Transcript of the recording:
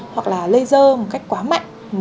hoặc là laser một cách quá mạnh